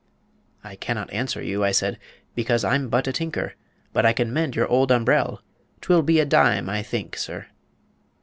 "'I can not answer you,' I said, 'Because I'm but a tinker. But I can mend your old umbrel'; 'Twill be a dime, I think, sir.'